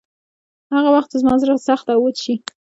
هغه وخت چې زما زړه سخت او وچ شي.